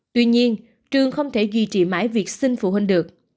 tuy nhiên trường không thể duy trì mãi việc xin phụ huynh được